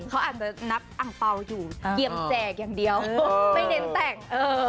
เขาอาจจะนับอังเปล่าอยู่เหยียบแจกอย่างเดียวไม่เน้นแต่ง